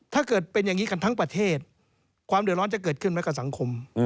ถ้าเกิดเป็นอย่างนี้กันทั้งประเทศความเดือดร้อนจะเกิดขึ้นไหมกับสังคม